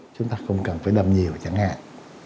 chúng ta không cần phải đâm nhiều chẳng hạn